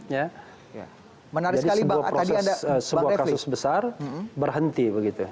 jadi sebuah kasus besar berhenti begitu